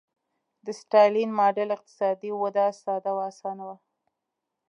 د ستالین ماډل اقتصادي وده ساده او اسانه وه.